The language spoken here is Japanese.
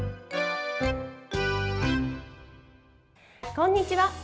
こんにちは。